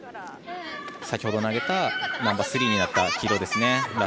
先ほど投げたスリーになったストーンですね。